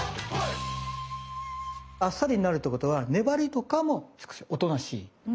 あっさりになるってことは粘りとかもおとなしい。